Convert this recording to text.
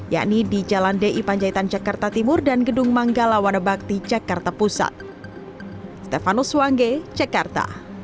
yakni di jalan di panjaitan jakarta timur dan gedung manggala wanebakti jakarta pusat